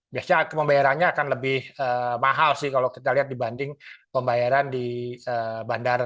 biasanya pembayarannya akan lebih mahal sih kalau kita lihat dibanding pembayaran di bandara